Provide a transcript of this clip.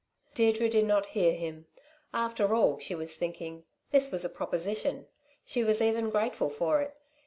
Deirdre did not hear him. After all, she was thinking, this was a proposition. She was even grateful for it.